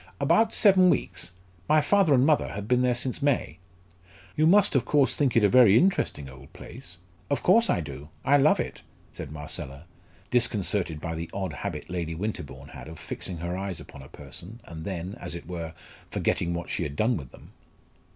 "About seven weeks. My father and mother have been there since May." "You must of course think it a very interesting old place?" "Of course I do; I love it," said Marcella, disconcerted by the odd habit Lady Winterbourne had of fixing her eyes upon a person, and then, as it were, forgetting what she had done with them.